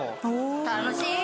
楽しい！